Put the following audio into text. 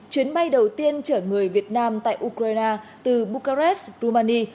chuyến bay đầu tiên chở người việt nam tại ukraine từ bucharest romania